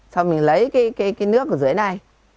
xong mình lấy cái nước ở dưới này